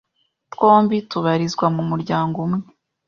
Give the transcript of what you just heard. twombi tubarizwa mu muryango umwe